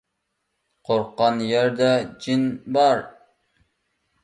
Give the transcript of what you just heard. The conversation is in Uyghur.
قورققان يەردە جىن بار.